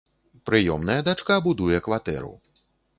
Прыёмная дачка будуе кватэру.